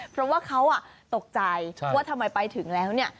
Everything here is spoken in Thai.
เพราะว่าเขาตกใจว่าทำไมไปถึงแล้วเนี่ย